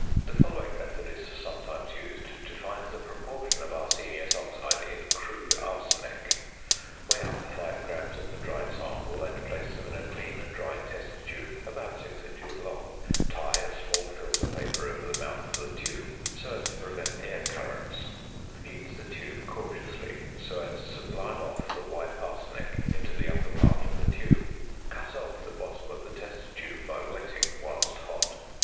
The following method is sometimes used to find the proportion of arsenious oxide in "crude arsenic": Weigh up 5 grams of the dried sample, and place them in a clean dry test tube about 6 inches long. Tie a small filter paper over the mouth of the tube, so as to prevent air currents. Heat the tube cautiously so as to sublime off the white arsenic into the upper part of the tube. Cut off the bottom of the test tube by wetting whilst hot.